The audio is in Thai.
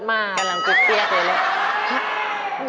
กำลังคิดเครียดเลย